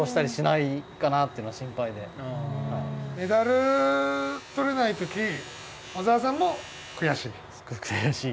メダル獲れない時小澤さんも悔しい？